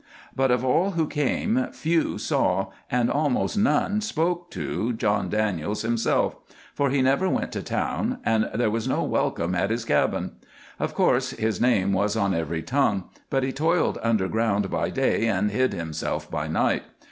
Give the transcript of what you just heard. But of all who came, few saw, and almost none spoke to, John Daniels himself, for he never went to town and there was no welcome at his cabin. Of course his name was on every tongue, but he toiled underground by day and hid himself by night.